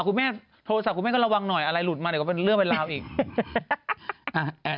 คุณแม่โทรศัพท์คุณแม่ก็ระวังหน่อยอะไรหลุดมาเดี๋ยวก็เป็นเรื่องเป็นราวอีก